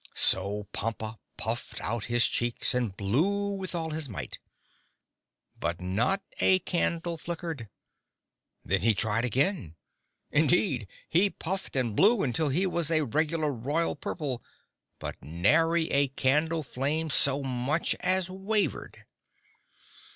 So Pompa puffed out his cheeks and blew with all his might. But not a candle flickered. Then he tried again. Indeed, he puffed and blew until he was a regular royal purple, but nary a candle flame so much as wavered.